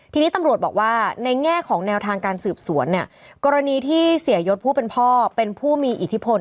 ทีนี้ตำรวจบอกว่าในแง่ของแนวทางการสืบสวนเนี่ยกรณีที่เสียยศผู้เป็นพ่อเป็นผู้มีอิทธิพล